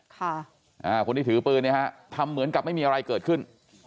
คนที่ถือปืนเนี่ยฮะทำเหมือนกับไม่มีอะไรเกิดขึ้น